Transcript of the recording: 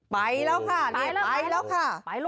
ไปแล้วค่ะนี่ไปแล้วค่ะ